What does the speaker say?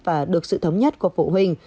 và được sự thống nhất của phụ huynh